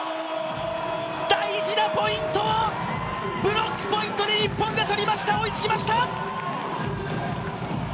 大事なポイントをブロックポイントで日本が取りました、追いつきました！